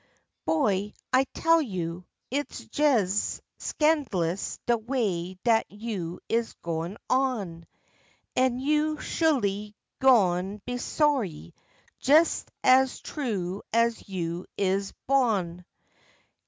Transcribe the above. Boy, I tell you, it's jes scan'lous d'way dat you is goin' on. An' you sholy go'n be sorry, jes as true as you is bo'n.